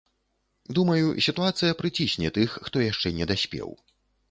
Думаю, сітуацыя прыцісне тых, хто яшчэ не даспеў.